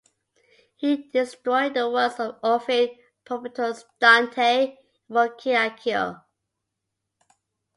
He destroyed the works of Ovid, Propertius, Dante, and Boccaccio.